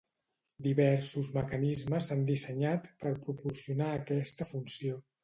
Diversos mecanismes s'han dissenyat per proporcionar aquesta funció.